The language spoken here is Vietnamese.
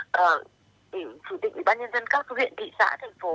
chủ tịch ủy ban nhân dân các thủ viện thị xã thành phố